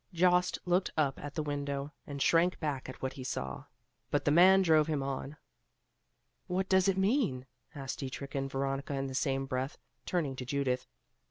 Jost looked up at the window and shrank back at what he saw; but the man drove him on. "What does it mean?" asked Dietrich and Veronica in the same breath, turning to Judith.